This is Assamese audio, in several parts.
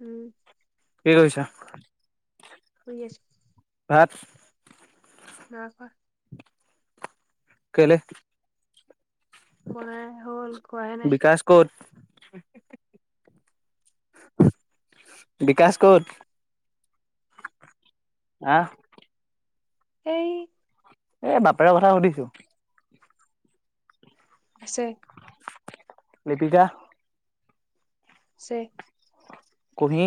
উম। কি কৰিছা? শুই আছোঁ। ভাত? নাই খোৱা। কেলে? বনাই হ'ল, খোৱাই নাই। বিকাশ ক'ত? বিকাশ ক'ত হা? সেই এ, বাপেৰ কথা সুধিছো। আছে। লিপিকা? আছে। কুহি?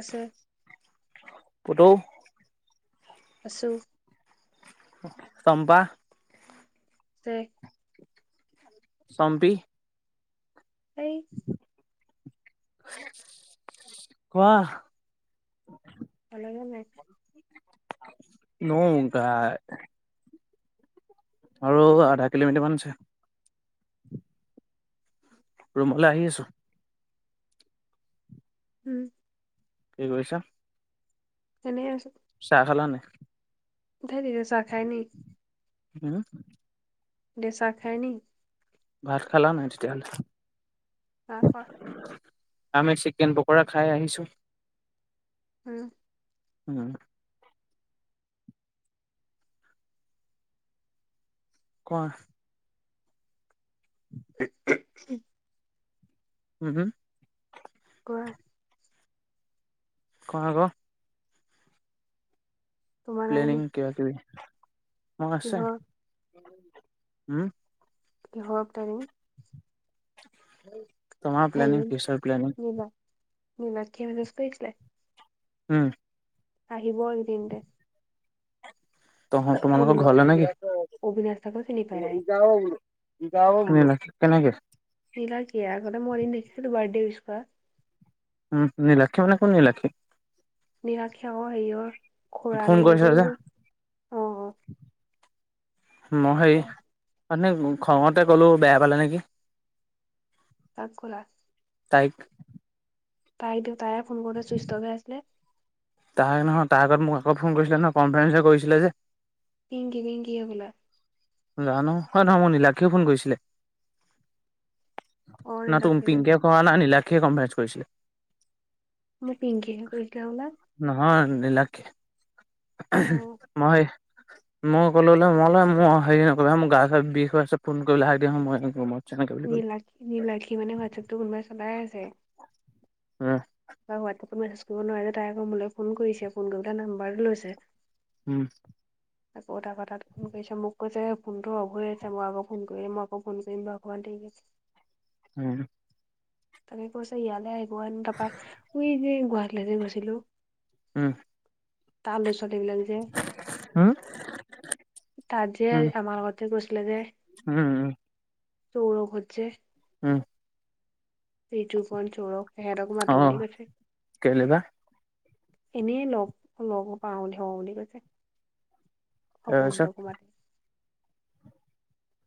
আছে। পুতৌ? আছোঁ। চম্পা? আছে। পম্পী? এই কোৱা? পালাগেনে নাই? [inaudible] আৰু আধা কিলোমিটাৰ মান আছে। ৰুমলে আহি আছো। উম। কি কৰিছা? এনেই আছো। চাহ খালা নাই? ধেইত এতিয়া চাহ খায় নি।। হুম। এতিয়া চাহ খাই নি। ভাত খালা নাই তেতিয়াহ'লে? নাই খোৱা। আমি চিকেন পকোৰা খাই আহিছো। উম। উম। কোৱা। [unintelligible] উমহ। কোৱা? কওঁ আক? তোমাৰ নাই নি প্লেনিং কিবা কিবি, অ' আছে কিহৰ উম' কিহৰ প্লেনিং? [inaudible] সেই প্লেনিং ফিউচাৰ প্লেনিং নীলা নীলাক্ষীয়ে মেছেজ কৰিছিলে? উম। আহিব এইকিদিনতে। তহ তোমালোকৰ অবিনাশ ঘৰলে নে কি? অবিনাশ দাকো চিনি পাই তাই কেনেকে? নীলাক ইয়াৰ আগতে মই এদিন দেখিছিলো বাৰ্থডে উইছ কৰা। উম' নীলাক্ষী মানে কোন নিলাক্ষী? নিলীক্ষী আক, হেৰিঅৰ খুৰা ফোন নে কি কৰিছে যে এইটো অ' অ' মই হেৰি তাই মানে খঙতে ক'লো বেয়া পালে নেকি? কাক কলা? তাইক। তাই দে তাই ফোন কৰোতে চুইচ অফ হৈ আছিলে। তাৰ নহয় তাৰ আগত মোক আকৌ ফোন কৰিছিলে নহয়, কনফাৰেঞ্চে যে কৰিছিলে যে। কিং কিংকিং কি হবলা? জানো হয় নহয় মোৰ নীলাক্ষীয়েও ফোন কৰিছিলে, অ না তু নীলাক্ষীয়ে কৰিছে পিংকিয়ে কৰা নাই, নীলাক্ষীয়ে কনফাৰেঞ্চ কৰিছিলে। মোক পিংকিয়েহে কৰিছিলে হবলা? নহয় নীলাক্ষীয়ে, অ মই মই ক'লোলে মই মই হেৰি নকৰিবা মোৰ গা চা বিষ হৈ আছে ফোন কৰিবলে হাক দিয়া নহয় মই নকৰোঁ মই। নীলাক্ষী নীলাক্ষীৰ মানে হোৱাটছাপটো কোনোবাই চলাই আছে। উম। তাই হোৱাটছাপটোত মেছেজ কৰিব নোৱাৰে যে, তাই আকৌ মোলে ফোন কৰিছে ফোন কৰি পেলাই নাম্বাৰটো লৈছে। উম। [inaudible] আকৌ এটা কথাত ফোন কৰিছে, মোক কৈছে ফোনটো অফ হৈ আছে মই আকৌ ফোন কৰিলে, মই আকৌ ফোন কৰিম বাৰু। ভণ্টিয়ে কি কৰিছে? হম। তাকে কৈছে ইয়ালে আহিব হেনো তাপা উই যে গুৱাহাটীলৈ যে গৈছিলো। উম। তাৰ ল'ৰা ছোৱালীবিলাক যে। হম। তাত যে আমাৰ লগতে গৈছিলে যে। উম। চৌৰখতজে। উম। ৰিতুপন, সৌৰভ এহেতক অ মাতো বুলি কৈছে। কেলে বা এনেই লগ লগ পাওঁ ধৰ বুলি কৈছে। সপোন তাৰপিছত তকো মাত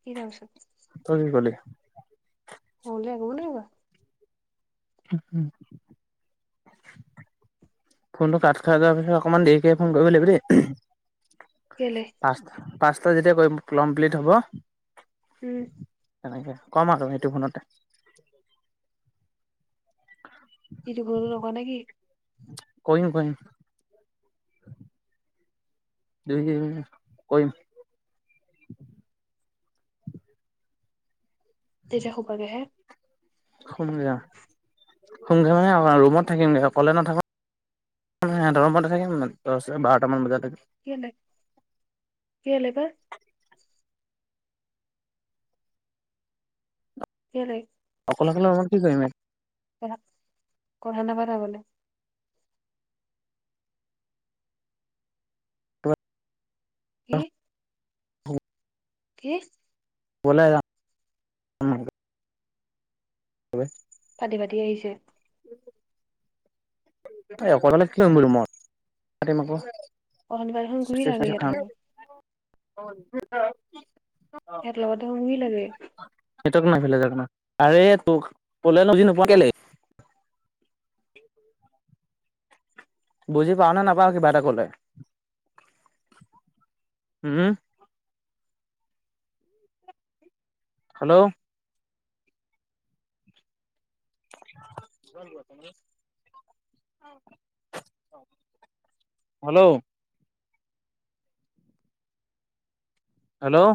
কি তাৰ পিছত। তই চোন কলি। সৰু দাই একো নাইকোৱা? উম, উম। ফোনটো কাত খাই যোৱাৰ পিছত অকণমান দেৰিকে ফোন কৰিব লাগিবি দেই। কেলে? পাঁচ-পাঁচটা যেতিয়া কমপ্লিট হ'ব উম তেনেকে কম আৰু সেইটো ফোনতে। [inaudible] ইটো ঘৰতো লগা নেকি? কৰিম, কৰিম। [unintelligible] কৰিম। তেতিয়া সুবগে হে। সুম গে অ', সোম মানে ৰুমত থাকিমগৈ অকলে নাথাকো। সিহঁতৰ ৰুমতেই থাকিম দহ নে বাৰটা মান বজালে। কেলে, কেলে বা? কেলে? অকলে, অকলে ৰুমত কি কৰিম? কথা নাপাতা মানে? কি? [unintelligible] কি? [unintelligible] হয়। ফাটি, ফাটি আহিছে। এই অকলে কি কৰিম গৈ ৰুমত অকলে মানুহ। অথনিপা দেখোন ঘূৰি থাকে [unintelligible] সিহঁতৰ খাম। লগত। ইয়াত লগতে [unintelligible] এইটো অলপ এইফালে যাওঁক না, আৰে কলে বুজি নোপোৱা কেলে। বুজি পাওঁ নে নাপাওঁ কিবা এটা কলে উম। হেল্ল'। [unintelligible] হেল্ল'। হেল্ল'।